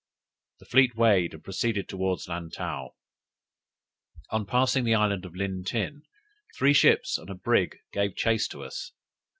The fleet weighed and proceeded towards Lantow. On passing the island of Lintin, three ships and a brig gave chase to us.